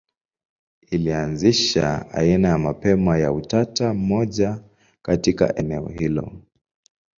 Ilianzisha aina ya mapema ya utatu mmoja katika eneo hilo.